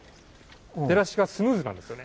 出だしがスムーズなんですよね。